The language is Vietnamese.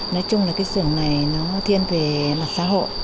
nói chung là cái xưởng này nó thiên về mặt xã hội